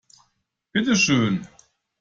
Bitte schön!